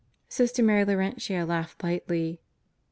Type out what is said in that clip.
Sister Mary Laurentia laughed lightly.